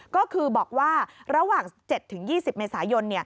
ก็คือบอกว่าระหว่าง๗๒๐เมษายน